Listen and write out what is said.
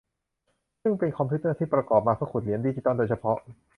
ซึ่งเป็นคอมพิวเตอร์ที่ประกอบมาเพื่อขุดเหรียญดิจิทัลโดยเฉพาะ